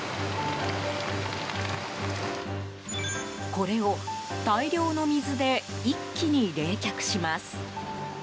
これを大量の水で一気に冷却します。